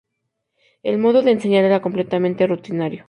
El modo de enseñar era completamente rutinario.